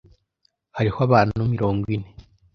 Hariho abantu mirongo ine.